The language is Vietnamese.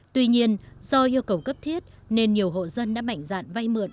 tuy nhiên do yêu cầu cấp thiết nên nhiều hộ dân đã mạnh dạn vay mượn